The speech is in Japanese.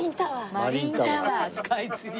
マリンタワースカイツリー。